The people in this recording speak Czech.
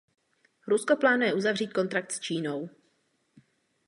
Rusko plánuje uzavřít kontrakt s Čínou.